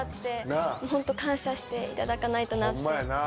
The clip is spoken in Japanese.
ホンマやな